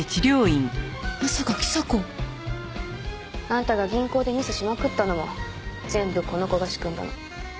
あんたが銀行でミスしまくったのも全部この子が仕組んだの。